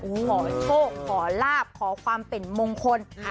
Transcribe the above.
ขอโชคขอลาบขอความเป็นมงคล